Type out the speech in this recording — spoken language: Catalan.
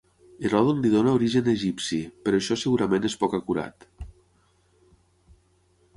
Heròdot li dóna origen egipci, però això segurament és poc acurat.